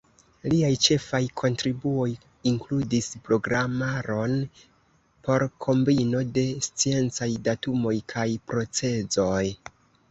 Liaj ĉefaj kontribuoj inkludis programaron por kombino de sciencaj datumoj kaj procezoj.